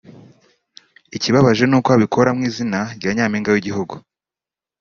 ikibabaje ni uko abikora mu izina rya Nyampinga w’igihugu